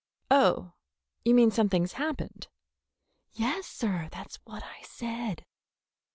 "Oh, you mean something's happened?" "Yes, sir; that's what I said."